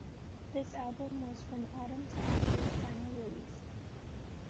This album was From Autumn to Ashes' final release.